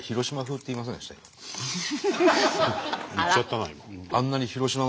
言っちゃったな。